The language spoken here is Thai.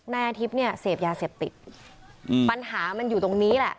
นายอาทิตย์เนี่ยเสพยาเสพติดปัญหามันอยู่ตรงนี้แหละ